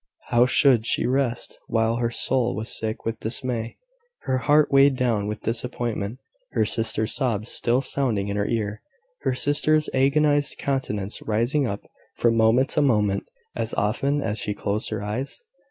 How should she rest, while her soul was sick with dismay, her heart weighed down with disappointment, her sister's sobs still sounding in her ear, her sister's agonised countenance rising up from moment to moment, as often as she closed her eyes?